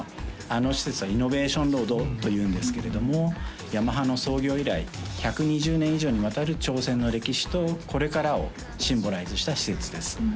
あの施設はイノベーションロードというんですけれどもヤマハの創業以来１２０年以上にわたる挑戦の歴史とこれからをシンボライズした施設です